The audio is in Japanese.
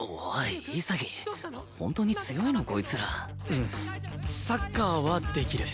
うんサッカーはできる。